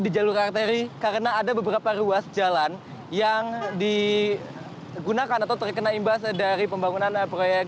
di jalur arteri karena ada beberapa ruas jalan yang digunakan atau terkena imbas dari pembangunan proyek